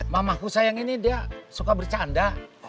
mamaku sayang ini dia suka bercanda